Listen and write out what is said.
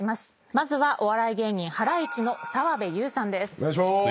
まずはお笑い芸人ハライチの澤部佑さんです。